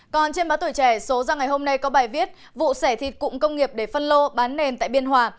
còn trên báo tuổi trẻ số ra ngày hôm nay có bài viết vụ sẻ thịt cụm công nghiệp để phân lô bán nền tại biên hòa